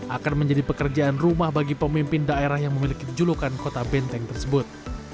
akan menjadi pekerjaan rumah bagi pemimpin daerah yang memiliki julukan kota benteng tersebut